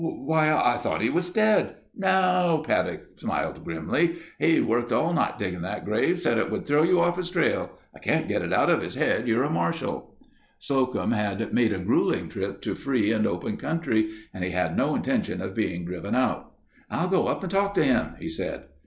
"Why, I thought he was dead...." "No," Paddock smiled grimly. "He worked all night digging that grave. Said it would throw you off his trail. I can't get it out of his head you're a marshal." Slocum had made a gruelling trip to free and open country and he had no intention of being driven out. "I'll go up and talk to him," he said.